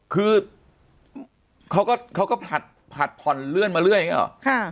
คือเขาก็เขาก็ผัดผ่อนเลื่อนมาเรื่อยอย่างเงี้ยเหรอค่ะ